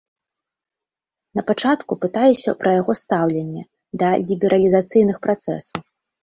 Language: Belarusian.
Напачатку пытаюся пра яго стаўленне да лібералізацыйных працэсаў.